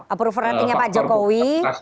approval ratingnya pak jokowi